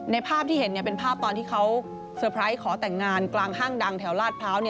ภาพที่เห็นเป็นภาพตอนที่เขาเซอร์ไพรส์ขอแต่งงานกลางห้างดังแถวลาดพร้าว